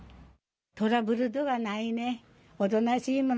トラブルとかないね、おとなしいもの。